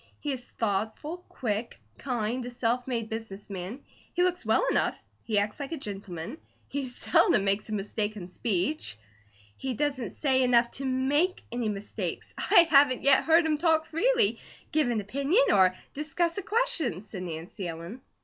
He is thoughtful, quick, kind, a self made business man. He looks well enough, he acts like a gentleman, he seldom makes a mistake in speech " "He doesn't say enough to MAKE any mistakes. I haven't yet heard him talk freely, give an opinion, or discuss a question," said Nancy Ellen.